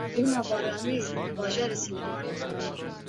Barîna baranê li bajarê Silêmaniyê.